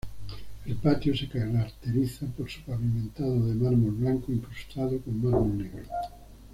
El patio se caracteriza por su pavimentado de mármol blanco incrustado con mármol negro.